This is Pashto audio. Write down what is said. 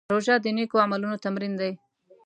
روژه د نېکو عملونو تمرین دی.